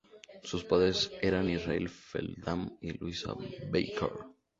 Sus padres eran Israel Feldman y Luisa Becker.